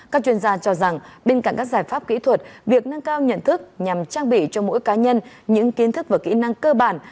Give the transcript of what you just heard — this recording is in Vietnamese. các chuyên gia cho rằng bên cạnh các giải pháp kỹ thuật việc nâng cao nhận thức nhằm trang bị cho mỗi cá nhân những kiến thức và kỹ năng cơ bản